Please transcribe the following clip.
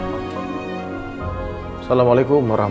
assalamualaikum wr wb